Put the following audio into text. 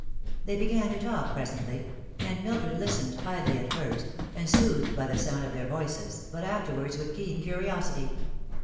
They began to talk presently, and Mildred listened, idly at first, and soothed by the sound of their voices, but afterwards with keen curiosity.